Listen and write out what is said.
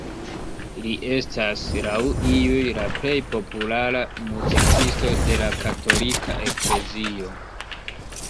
Li estas, laŭ iuj, la plej populara muzikisto de la katolika eklezio.